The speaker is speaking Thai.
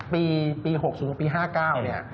ปี๖๐ปี๕๙นี่